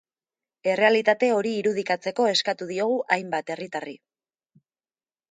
Errealitate hori irudikatzeko eskatu diogu hainbat herritarri.